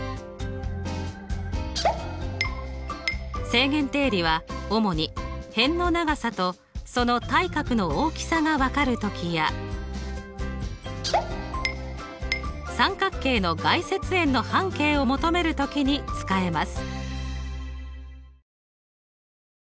正弦定理は主に辺の長さとその対角の大きさが分かる時や三角形の外接円の半径を求める時に使えます。